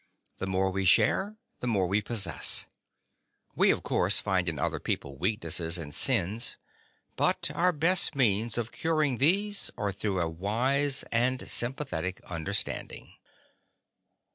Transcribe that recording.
The more we share, the more we possess. We of course find in other people weaknesses and sins, but our best means of curing these are through a wise and sympathetic understanding.